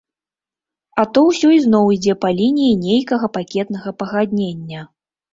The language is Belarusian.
А то ўсё ізноў ідзе па лініі нейкага пакетнага пагаднення!